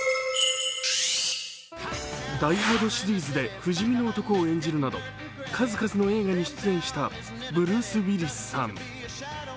「ダイ・ハード」シリーズで不死身の男を演じるなど数々の映画に出演したブルース・ウィリスさん。